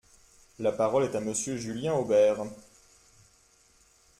La parole est à Monsieur Julien Aubert.